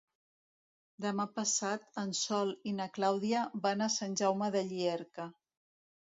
Demà passat en Sol i na Clàudia van a Sant Jaume de Llierca.